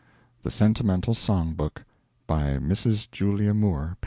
The Sentimental Song Book. By Mrs. Julia Moore, p.